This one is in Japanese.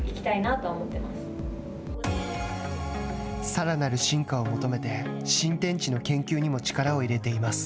さらなる進化を求めて新天地の研究にも力を入れています。